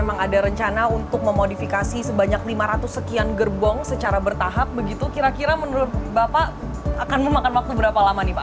ada rencana untuk memodifikasi sebanyak lima ratus sekian gerbong secara bertahap begitu kira kira menurut bapak akan memakan waktu berapa lama nih pak